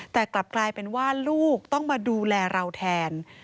แต่กลับกลายเป็นว่าลูกต้องมาดูแลเราแทน